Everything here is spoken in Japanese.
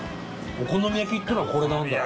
「お好み焼きってのはコレなんだ！」と。